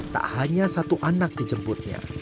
tak hanya satu anak dijemputnya